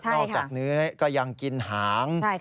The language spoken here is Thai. จากเนื้อก็ยังกินหาง